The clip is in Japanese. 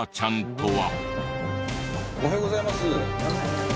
おはようございます。